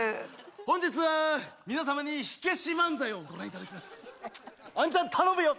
本日は皆様に火消し漫才をご覧いただきますあんちゃん頼むよ！